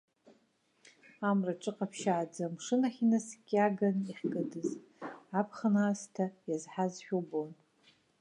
Амра ҿыҟаԥшьааӡа амшын ахь инаскьаган иахькыдыз, аԥхын аасҭа иазҳазшәа убон.